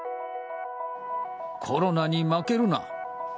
コロナに負けるな。